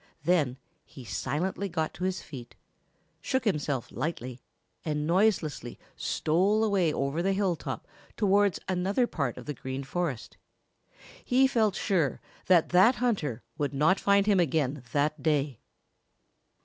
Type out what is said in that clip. Then he silently got to his feet, shook himself lightly, and noiselessly stole away over the hilltop towards another part of the Green Forest. He felt sure that that hunter would not find him again that day.